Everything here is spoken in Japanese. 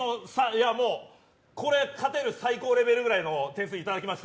勝てる最高レベルぐらいの点数いただきました。